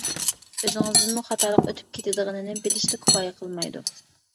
ئۆزىڭىزدىنمۇ خاتالىق ئۆتۈپ كېتىدىغىنىنى بىلىشلا كۇپايە قىلمايدۇ.